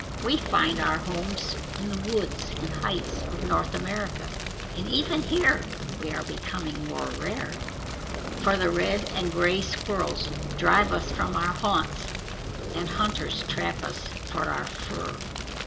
"We find our homes in the woods and heights of North America, and even here we are becoming more rare, for the Red and Grey Squirrels drive us from our haunts, and hunters trap us for our fur."